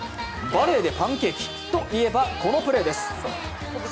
バレーでパンケーキといえばこのブレーです。